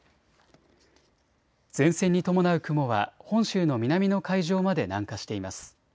前線に伴う雲は本州の南の海上まで南下しています。